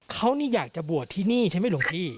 เขานี่อยากจะบวชที่นี่ใช่ไหมหลวงพี่